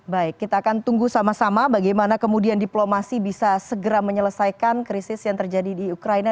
baik kita akan tunggu sama sama bagaimana kemudian diplomasi bisa segera menyelesaikan krisis yang terjadi di ukraina